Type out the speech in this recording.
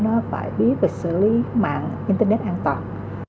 nó phải biết về xử lý mạng internet an toàn